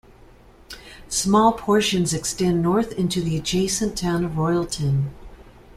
Small portions extend north into the adjacent Town of Royalton.